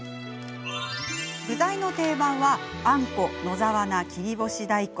具材の定番はあんこ、野沢菜、切り干し大根。